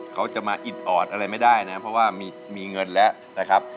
เขาจะมาอิดออดอะไรไม่ได้นะเพราะว่ามีเงินแล้วนะครับ